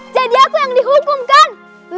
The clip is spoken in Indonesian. jadi aku yang dihukumkan